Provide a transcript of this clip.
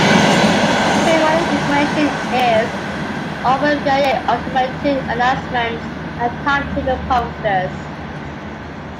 Train running information is offered via automated announcements and timetable posters.